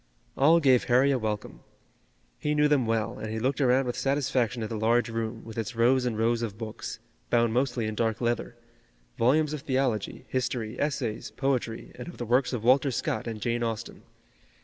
All gave Harry a welcome. He knew them well, and he looked around with satisfaction at the large room, with its rows and rows of books, bound mostly in dark leather, volumes of theology, history, essays, poetry, and of the works of Walter Scott and Jane Austen.